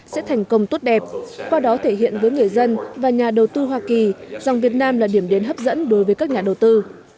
sẽ thành công tốt đẹp qua đó thể hiện với người dân và nhà đầu tư hoa kỳ rằng việt nam là điểm đến hấp dẫn đối với các nhà đầu tư